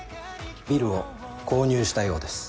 ビルを購入したようです。